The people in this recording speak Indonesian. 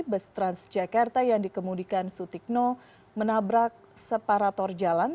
bus trans jakarta yang dikemudikan sutikno menabrak separator jalan